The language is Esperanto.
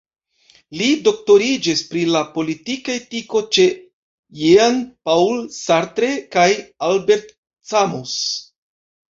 Li doktoriĝis pri la politika etiko ĉe Jean-Paul Sartre kaj Albert Camus.